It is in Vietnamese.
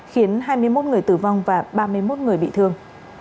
khiến hai mươi một người tử vong và ba mươi một người bị thương